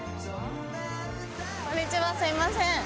こんにちは、すみません。